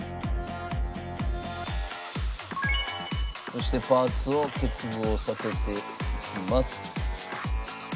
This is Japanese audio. そしてパーツを結合させていきます。